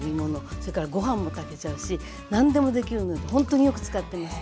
それからご飯も炊けちゃうし何でもできるのでほんっとによく使っています。